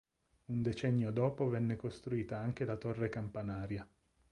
Un decennio dopo venne costruita anche la torre campanaria.